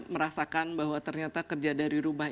merasakan bahwa ternyata kerja dari rumah